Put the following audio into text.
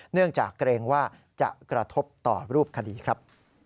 เนื่องจากเกรงว่าจะกระทบต่อรูปคดีครับ